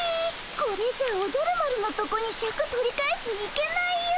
これじゃあおじゃる丸のとこにシャク取り返しに行けないよ。